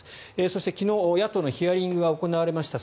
そして昨日、野党のヒアリングが行われました。